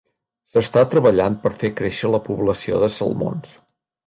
S'està treballant per fer créixer la població de salmons.